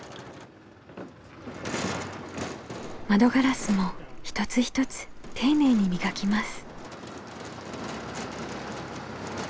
窓ガラスも一つ一つ丁寧に磨きます。